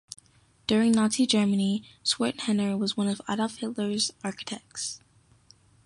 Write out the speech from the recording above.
During Nazi Germany, Schmitthenner was one of Adolf Hitler's architects.